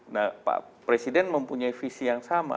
nah pak presiden mempunyai visi yang sama